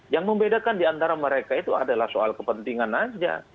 yang membedakan diantara mereka itu adalah soal kepentingan aja